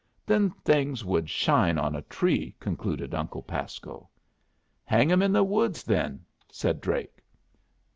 "Them things would shine on a tree," concluded Uncle Pasco. "Hang 'em in the woods, then," said Drake.